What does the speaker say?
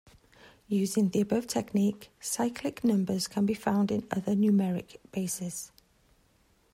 Using the above technique, cyclic numbers can be found in other numeric bases.